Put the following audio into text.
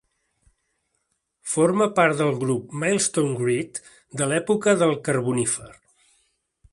Forma part del grup Millstone Grit de l'època del Carbonífer.